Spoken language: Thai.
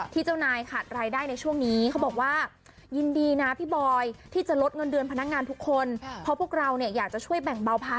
เจ้านายขาดรายได้ในช่วงนี้เขาบอกว่ายินดีนะพี่บอยที่จะลดเงินเดือนพนักงานทุกคนเพราะพวกเราเนี่ยอยากจะช่วยแบ่งเบาภา